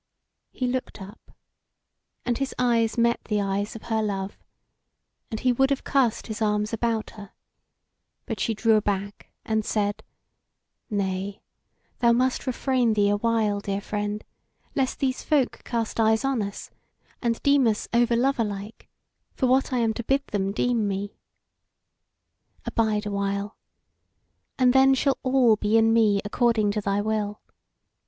He looked up, and his eyes met the eyes of her love, and he would have cast his arms about her; but she drew aback and said: "Nay, thou must refrain thee awhile, dear friend, lest these folk cast eyes on us, and deem us over lover like for what I am to bid them deem me. Abide a while, and then shall all be in me according to thy will.